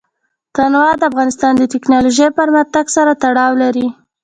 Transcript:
تنوع د افغانستان د تکنالوژۍ پرمختګ سره تړاو لري.